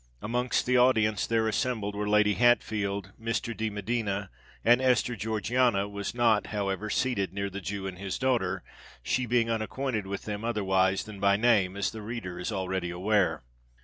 Amongst the audience there assembled, were Lady Hatfield, Mr. de Medina, and Esther. Georgiana was not however seated near the Jew and his daughter, she being unacquainted with them otherwise than by name, as the reader is already aware.